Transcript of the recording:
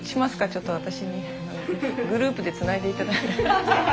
ちょっと私にグループでつないでいただいて。